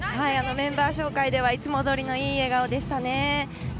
メンバー紹介ではいつもどおりのいい笑顔でしたね。